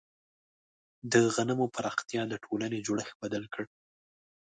د غنمو پراختیا د ټولنې جوړښت بدل کړ.